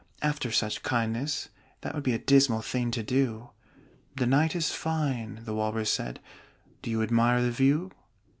"After such kindness, that would be A dismal thing to do!" "The night is fine," the Walrus said: "Do you admire the view?"